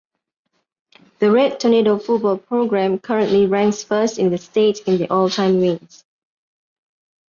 The Red Tornado football program currently ranks first in the state in all-time wins.